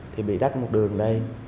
thì bị đắt một đường ở đây